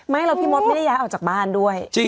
ไม่แล้วพี่มดไม่ได้ย้ายออกจากบ้านด้วย